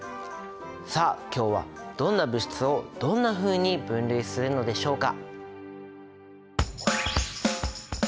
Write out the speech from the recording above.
さあ今日はどんな物質をどんなふうに分類するのでしょうか？